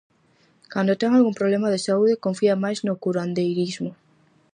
Cando ten algún problema de saúde confía máis no curandeirismo.